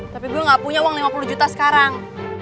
tapi gue gak punya uang lima puluh juta sekarang